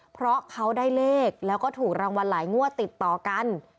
เพราะเขาได้เลขแล้วก็ถูกรางวัลหลายงวดติดต่อกัน